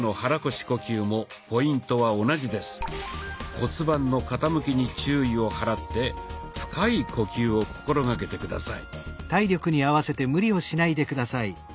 骨盤の傾きに注意を払って深い呼吸を心掛けて下さい。